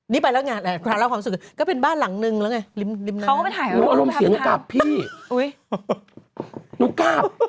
น้องกล้าบพี่น้องกล้าบ